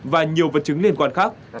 và nhiều vật chứng liên quan khác